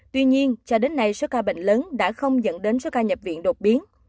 tuy nhiên cho đến nay số ca bệnh lớn đã không dẫn đến số ca nhập viện đột biến